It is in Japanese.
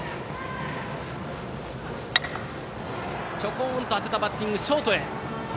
ちょこんと当てたバッティングショートへ。